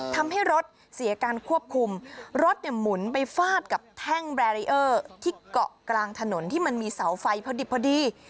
ทำให้รถเสียการควบคุมรถเนี่ยหมุนไปฟาดกับแท่งแบรีเออร์ที่เกาะกลางถนนที่มันมีเสาไฟพอดิบพอดี